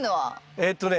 えっとね